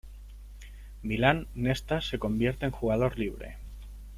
Milan, Nesta se convierte en jugador libre.